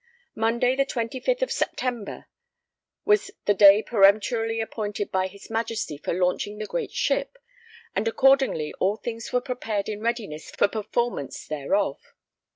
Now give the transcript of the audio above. Monday, the 25th of September, was the day peremptorily appointed by his Majesty for launching the great ship; and accordingly all things were prepared in readiness for performance thereof.